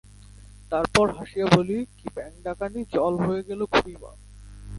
তারপর হাসিয়া বলি-কি ব্যাঙ-ডাকানি জল হয়ে গেল খুড়িমা!